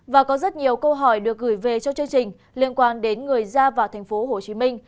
và có rất nhiều câu hỏi được gửi về cho chương trình liên quan đến người ra vào thành phố hồ chí minh